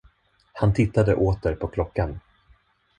Han tittade åter på klockan.